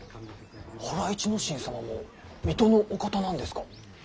原市之進様も水戸のお方なんですか？